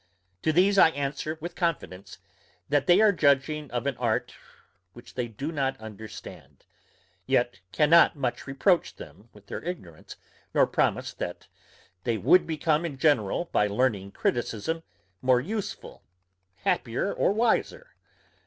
To these I answer with confidence, that they are judging of an art which they do not understand; yet cannot much reproach them with their ignorance, nor promise that they would become in general, by learning criticism, more useful, happier or wiser.